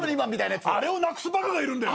あれをなくすバカがいるんだよ。